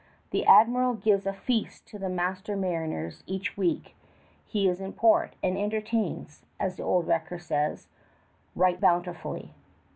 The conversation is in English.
The admiral gives a feast to the master mariners each week he is in port, and entertains as the old record says "right bountifully."